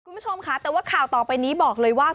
คุณผู้ชมค่ะแต่ว่าข่าวต่อไปนี้บอกเลยว่า